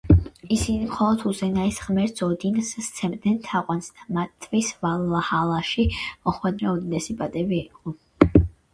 ისინი მხოლოდ უზენაეს ღმერთს, ოდინს სცემდნენ თაყვანს და მათთვის ვალჰალაში მოხვედრა უდიდესი პატივი იყო.